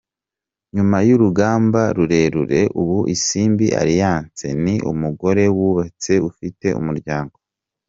Nyuma y'urugamba rurerure, ubu Isimbi Alliance ni umugore wubatse ufite umuryango.